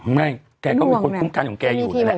ไม่แกก็เป็นคนคุ้มกันของแกอยู่นั่นแหละ